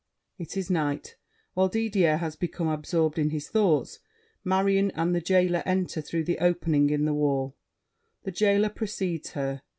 [It is night. While Didier has become absorbed in his thoughts, Marion and The Jailer enter through the opening in the wall; The Jailer precedes her.